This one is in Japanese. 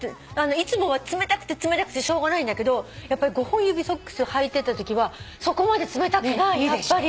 いつもは冷たくて冷たくてしょうがないんだけど五本指ソックスをはいてたときはそこまで冷たくないやっぱり。